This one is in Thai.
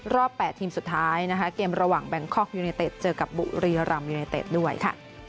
รอบ๘ทีมสุดท้ายเกมระหว่างแบงคอกยูเนเซตเจอกับบุรียารัมยูเนเซต